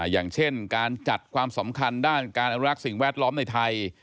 อย่างเช่นการจัดความสำคัญด้านการอนุรักษ์สิ่งแวดล้อมในไทย